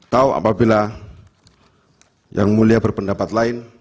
tahu apabila yang mulia berpendapat lain